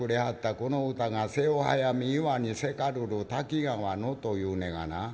この歌が『瀬を早み岩にせかるる滝川の』というねがな」。